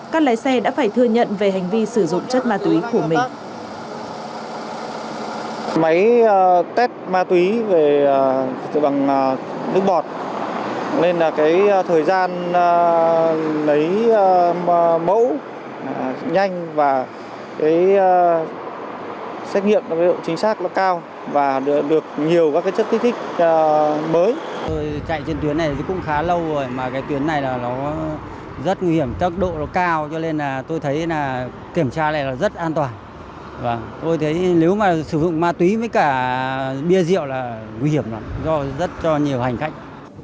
các lái xe đã phải thừa nhận về hành vi sử dụng chất ma túy của mình